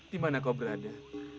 dimana kau berada